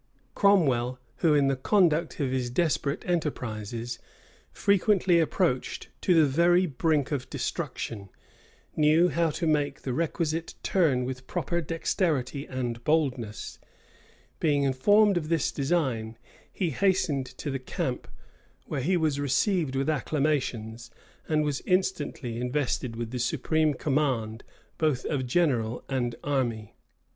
[*] Cromwell, who, in the conduct of his desperate enterprises, frequently approached to the very brink of destruction, knew how to make the requisite turn with proper dexterity and boldness. Being informed of this design, he hastened to the camp; where he was received with acclamations, and was instantly invested with the supreme command both of general and army. * Clarendon, vol.